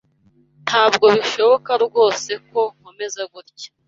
Ntabwo bishoboka rwose ko nkomeza gutya.